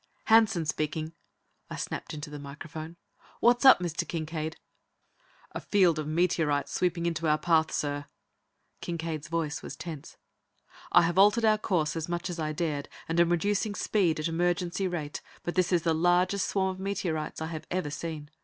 "Hanson speaking!" I snapped into the microphone. "What's up, Mr. Kincaide?" "A field of meteorites sweeping into our path, sir." Kincaide's voice was tense. "I have altered our course as much as I dared and am reducing speed at emergency rate, but this is the largest swarm of meteorites I have ever seen.